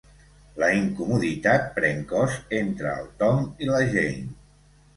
La incomoditat pren cos entre el Tom i la Jane.